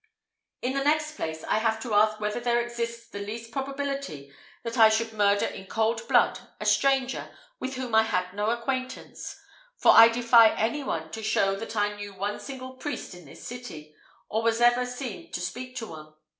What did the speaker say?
In the next place, I have to ask whether there exists the least probability that I should murder in cold blood a stranger, with whom I had no acquaintance; for I defy any one to show that I knew one single priest in this city, or was ever seen to speak to one.